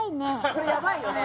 これやばいよね